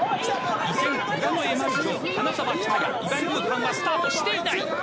依然、浦野エマルジョン花澤喜多屋、岩井るーぱんはスタートしていない。